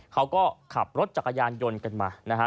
เขาก็ขับรถจักรยานยนต์กันมานะฮะ